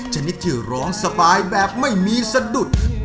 ชนิดที่ร้องสบายแบบไม่มีสะดุด